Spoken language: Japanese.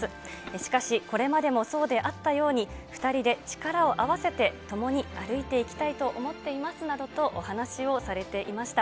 しかしこれまでもそうであったように、２人で力を合わせて、共に歩いていきたいと思っていますなどとお話をされていました。